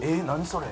それ。